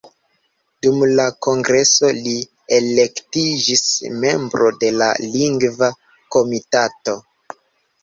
Dum la kongreso li elektiĝis membro de la Lingva Komitato.